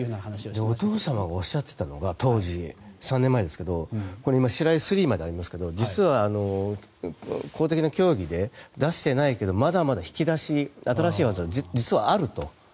お父さまが３年前おっしゃっていたのがシライ３までありますけど実は、公的な競技で出していないけどまだまだ、引き出し新しい技が実はあると。